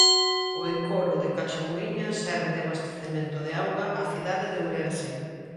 O encoro de Cachamuíña serve de abastecemento de auga á cidade de Ourense.